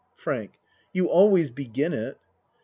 FRANK You always begin it.